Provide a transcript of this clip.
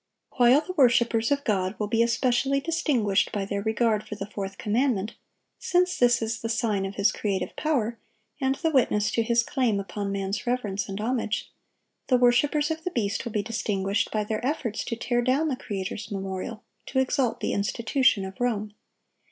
While the worshipers of God will be especially distinguished by their regard for the fourth commandment,—since this is the sign of His creative power, and the witness to His claim upon man's reverence and homage,—the worshipers of the beast will be distinguished by their efforts to tear down the Creator's memorial, to exalt the institution of Rome.